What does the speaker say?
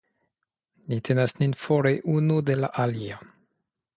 Ni tenas nin fore unu de la alia.